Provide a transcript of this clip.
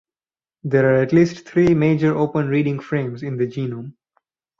There are at least three major open reading frames in the genome.